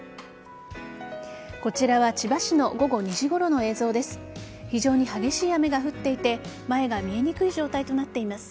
こちらは千葉市の午後２時ごろの映像です。